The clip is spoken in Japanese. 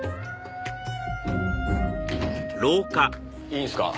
いいんすか？